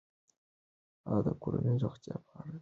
هغه د کورنۍ د روغتیا په اړه د کتابونو لوستل کوي.